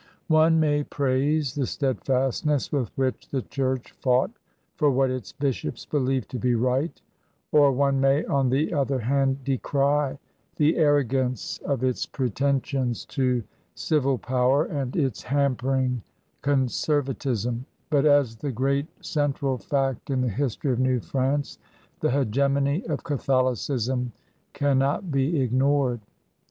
One may praise the steadfastness with which the Chiurch fought for what its bishops believed to be right, or one may, on the other hand, decry the arrogance of its pretensions to civil power and its 8 118 114 CRUSADERS OF NEW FRANCE hampering conservatism; but as the great central fact in the history of New France, the hq^emony of Catholicism cannot be ignored.